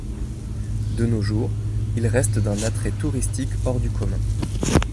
De nos jours, il reste d’un attrait touristique hors du commun.